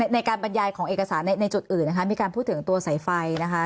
ในการบรรยายของเอกสารในจุดอื่นนะคะมีการพูดถึงตัวสายไฟนะคะ